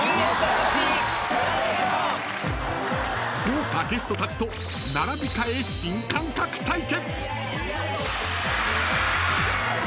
［豪華ゲストたちと並び替え新感覚対決］